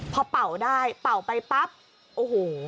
พอเป่าได้เป่าไปปั๊บโอ้โห